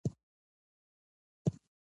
د سپوږمۍ گردش د ځمکې پر حرکت اغېز کوي.